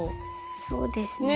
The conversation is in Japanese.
そうですね。